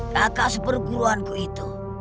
kakak seperguruan ku itu